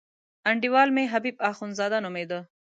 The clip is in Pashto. انډیوال مې حبیب اخندزاده نومېده.